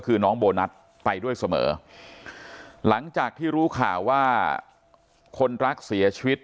คือน้องโบนัสไปด้วยเสมอหลังจากที่รู้ข่าวว่าคนรักเสียชีวิต